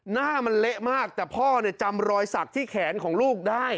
หน้ามันเละมากแต่พ่อเนี่ยจำรอยสักที่แขนของลูกได้